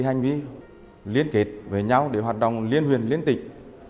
hành vi liên kết với nhau để hoạt động liên huyền liên tịch